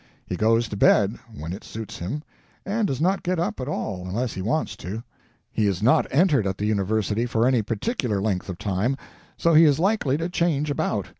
He goes to bed when it suits him, and does not get up at all unless he wants to. He is not entered at the university for any particular length of time; so he is likely to change about.